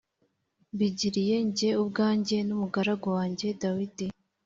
mbigiriye jye ubwanjye, n’umugaragu wanjye Dawudi.